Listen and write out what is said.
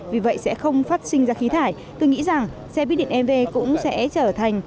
vì vậy sẽ không phát sinh ra khí thải tôi nghĩ rằng xe buýt điện ev cũng sẽ trở thành